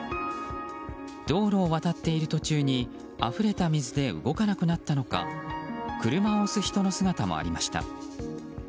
道路を渡っている途中にあふれた水で動かなくなったのか車を押す人の姿もありました。